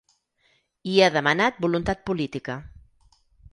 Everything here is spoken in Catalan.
I ha demanat voluntat política.